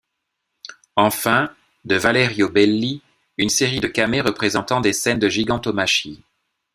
Enfin, de Valerio Belli, une série de camées représentant des scènes de gigantomachie.